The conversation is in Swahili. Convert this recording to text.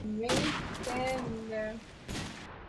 na marekebisho mengi yalimalizika ambayo bado yanasababisha